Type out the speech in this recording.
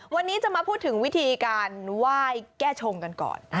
วันนี้จะมาพูดถึงวิธีการไหว้แก้ชงกันก่อน